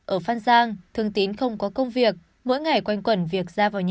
ở phan giang thường tín không có công việc mỗi ngày quanh quẩn việc ra vào nhà